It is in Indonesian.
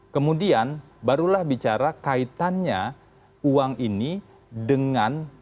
kemudian barulah bicara kaitannya uang ini dengan